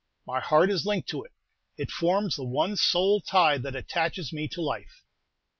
My heart is linked to it; it forms the one sole tie that attaches me to life.